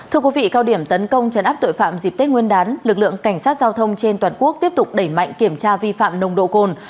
thưa quý vị cao điểm tấn công chấn áp tội phạm dịp tết nguyên đán lực lượng cảnh sát giao thông trên toàn quốc tiếp tục đẩy mạnh kiểm tra vi phạm nồng độ cồn